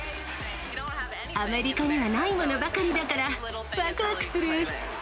アメリカにはないものばかりだから、わくわくする。